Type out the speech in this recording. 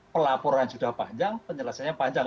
pelaporan sudah panjang penyelesaiannya panjang